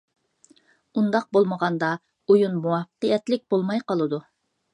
ئۇنداق بولمىغاندا، ئويۇن مۇۋەپپەقىيەتلىك بولماي قالىدۇ.